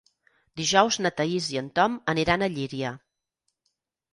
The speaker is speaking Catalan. Dijous na Thaís i en Tom aniran a Llíria.